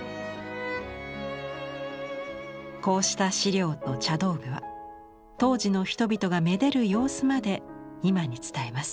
こうした資料と茶道具は当時の人々がめでる様子まで今に伝えます。